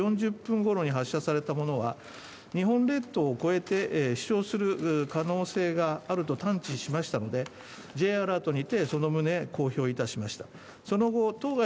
また、７時４０分頃に発射されたものは日本列島を越えて飛翔する可能性があると感知しましたので、Ｊアラートにてその旨、公表いたしました。